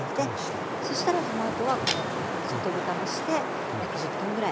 そしたらそのあとはこの外ぶたもして約１０分ぐらい煮て下さい。